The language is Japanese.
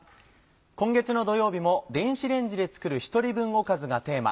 今月の土曜日も電子レンジで作る１人分おかずがテーマ。